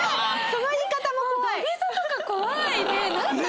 その言い方も怖い。